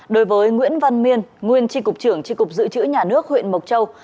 đối với nguyễn văn miên nguyên tri cục trưởng tri cục dự trữ nhà nước huyện mộc châu